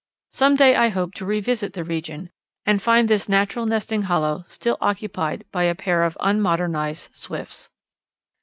Some day I hope to revisit the region and find this natural nesting hollow still occupied by a pair of unmodernized Swifts.